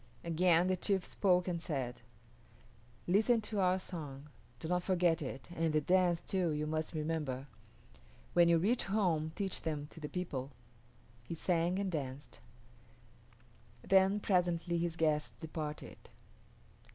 Again the chief spoke and said, "Listen to our song. Do not forget it, and the dance, too, you must remember. When you reach home teach them to the people." He sang and danced. Then presently his guests departed.